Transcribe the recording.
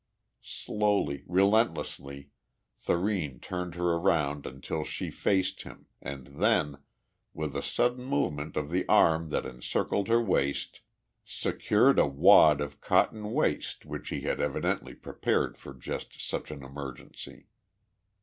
Slowly, relentlessly, Thurene turned her around until she faced him, and then, with a sudden movement of the arm that encircled her waist, secured a wad of cotton waste, which he had evidently prepared for just such an emergency.